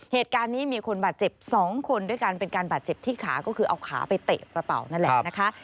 เหตุการณ์นี้มีคนบาดเจ็บ๒คนด้วยกันเป็นการบาดเจ็บที่ขาก็คือเอาขาไปเตะกระเป๋านั่นแหละนะคะ